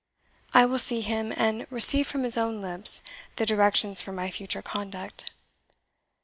I will see him, and receive from his own lips the directions for my future conduct.